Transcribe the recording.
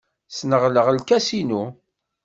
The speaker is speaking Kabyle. Sneɣleɣ lkas-innu.